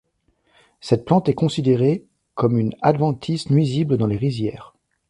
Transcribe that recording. Cette plante est considérée comme une adventice nuisible dans les rizières.